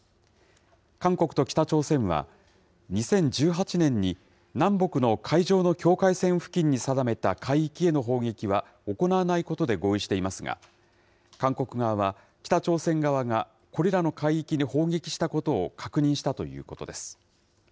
韓国と北朝鮮は、２０１８年に南北の海上の境界線付近に定めた海域への砲撃は行わないことで合意していますが、韓国側は、北朝鮮側がこれらの海域に砲撃したことを確認したということです。